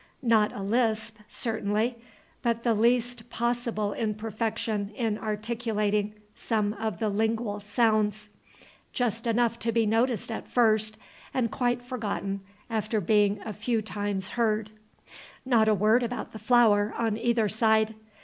Not a lisp, certainly, but the least possible imperfection in articulating some of the lingual sounds, just enough to be noticed at first, and quite forgotten after being a few times heard. Not a word about the flower on either side.